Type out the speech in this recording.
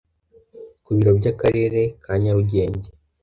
ku biro by’akarere kanyarugenge